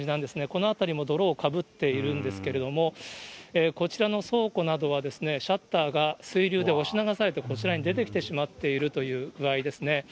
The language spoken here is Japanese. この辺りも泥をかぶっているんですけれども、こちらの倉庫などは、シャッターが水流で押し流されてこちらに出てきてしまっているという具合ですね。